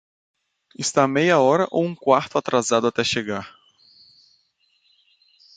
Está meia hora ou um quarto atrasado até chegar?